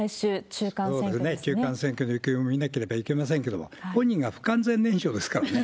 中間選挙の行方も見なければいけませんけれども、本人が不完全燃焼ですからね。